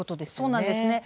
そうなんですね。